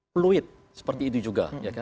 pluit seperti itu juga